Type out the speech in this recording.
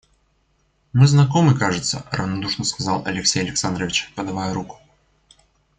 Мы знакомы, кажется, — равнодушно сказал Алексей Александрович, подавая руку.